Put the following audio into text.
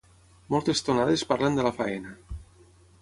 Moltes tonades parlen de la feina